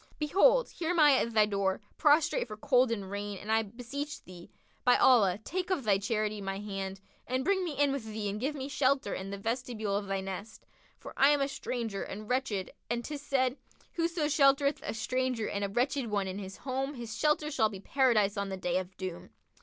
Behold, here am I at thy door, prostrate for cold and rain and I beseech thee, by Allah, take of thy charity my hand and bring me in with thee and give me shelter in the vestibule of thy nest; for I am a stranger and wretched and 'tis said, 'Whoso sheltereth a stranger and a wretched one in his home his shelter shall be Paradise on the Day of Doom.'